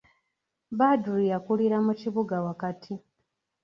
Badru yakulira mu kibuga wakati.